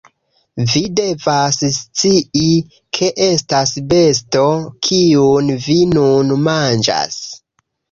Vi devas scii, ke estas besto, kiun vi nun manĝas